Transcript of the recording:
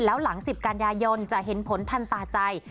แล้วหลัง๑๐กันยายนจะเห็นผลทันตาใจ